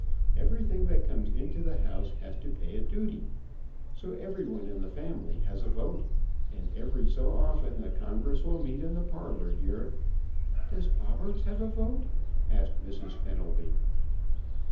Everything that comes into the house has to pay a duty, so everyone in the family has a vote, and every so often the congress will meet in the parlor here " "Does Bobberts have a vote?" asked Mrs. Fenelby.